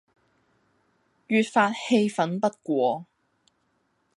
越發氣憤不過，